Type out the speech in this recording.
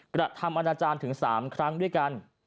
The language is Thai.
กระทำอนาจารย์ถึง๓ครั้งด้วยกัน